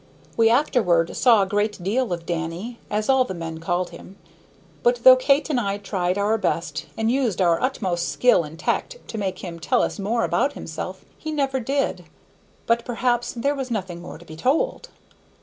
We afterward saw a great deal of Danny, as all the men called him. But though Kate and I tried our best and used our utmost skill and tact to make him tell us more about himself, he never did. But perhaps there was nothing more to be told.